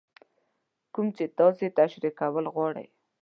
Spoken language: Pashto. کوم چې تاسې تشرېح کول غواړئ.